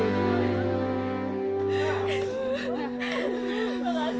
dimana dianggap sebagai